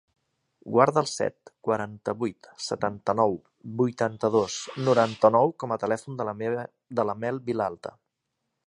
Guarda el set, quaranta-vuit, setanta-nou, vuitanta-dos, noranta-nou com a telèfon de la Mel Vilalta.